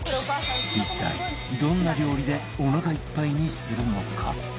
一体どんな料理でおなかいっぱいにするのか？